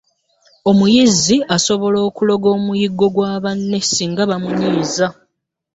Omuyizzi asobola okuloga omuyiggo gwa banne singa bamunyiiza.